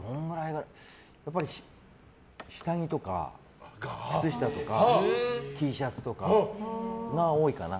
やっぱり下着とか靴下とかＴシャツとかが多いかな。